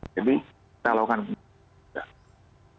kita lakukan penyekatan